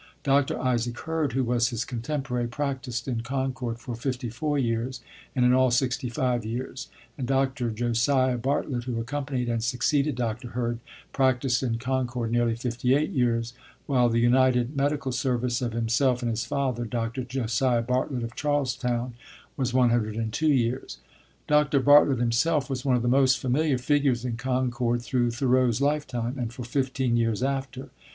Dr. Isaac Hurd, who was his contemporary, practiced in Concord for fifty four years, and in all sixty five years; and Dr. Josiah Bartlett, who accompanied and succeeded Dr. Hurd, practiced in Concord nearly fifty eight years; while the united medical service of himself and his father, Dr. Josiah Bartlett of Charlestown, was one hundred and two years. Dr. Bartlett himself was one of the most familiar figures in Concord through Thoreau's life time, and for fifteen years after.